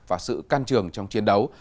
và sự can trường trong chiến đấu